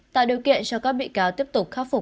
tạo điều kiện cho các bị cáo tiếp tục khắc phục hậu quả